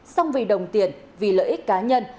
song vì đồng tiền vì lợi ích cá nhân